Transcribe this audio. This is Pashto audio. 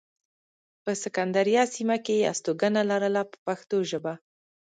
په سکندریه سیمه کې یې استوګنه لرله په پښتو ژبه.